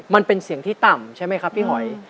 มันเป็นเสียงที่ต่ำใช่ไหมครับพี่หอย